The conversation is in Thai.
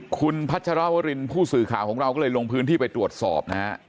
คุณพัชรวรินผู้สื่อข่าวของเราก็เลยลงพื้นที่ไปตรวจสอบนะฮะ